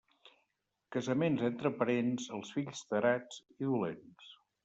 Casament entre parents, els fills tarats i dolents.